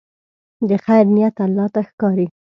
د خیر نیت الله ته ښکاري.